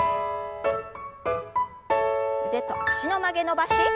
腕と脚の曲げ伸ばし。